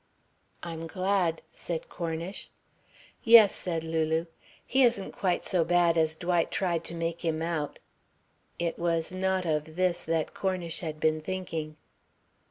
"I'm glad," said Cornish. "Yes," said Lulu. "He isn't quite so bad as Dwight tried to make him out." It was not of this that Cornish had been thinking.